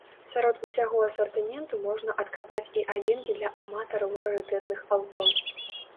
Сярод усяго асартыменту можна адкапаць і адзінкі для аматараў рарытэтных аўто.